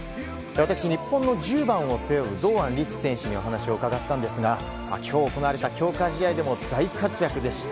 私、日本の１０番を背負う堂安律選手にお話を伺ったんですが今日行われた強化試合でも大活躍でした。